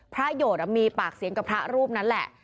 โยชน์มีปากเสียงกับพระรูปนั้นแหละ